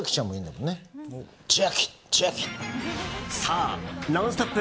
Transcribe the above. そう、「ノンストップ！」